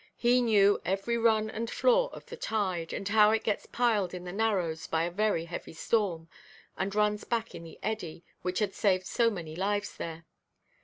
He knew every run and flaw of the tide, and how it gets piled in the narrows by a very heavy storm, and runs back in the eddy which had saved so many lives there.